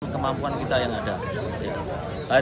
kemampuan kita yang ada